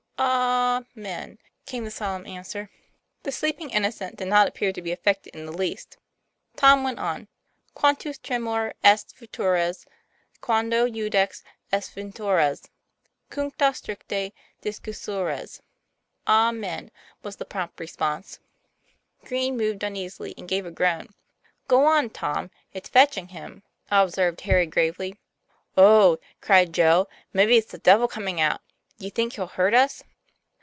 "A men," came the solemn answer. The sleep ing innocent did not appear to be affected in the least. Tom went on : 1 '' Quantus tremor est futurus, Quando Judex est venturus, Cuncta stricte discussurus.' " "Amen" was the prompt response. Green moved uneasily, and gave a groan. "Go on, Tom, it's fetching him," observed Harry gravely. "Oh!" cried Joe, "maybe it's the devil coming out. Do you think he'll hurt us?"